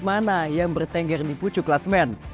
kemana yang bertengger di pucu klasmen